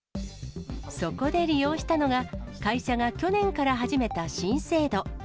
そこで利用したのが、会社が去年から始めた新制度。